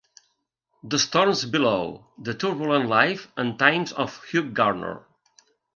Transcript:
"The Storms Below: The Turbulent Life and Times of Hugh Garner".